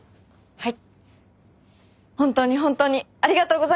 はい！